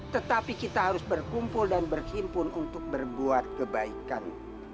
tetapi kita harus berkumpul dan berhimpun untuk berbuat kebaikan